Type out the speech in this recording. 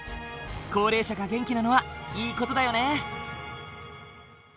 高齢者が元気なのはいい事だよね。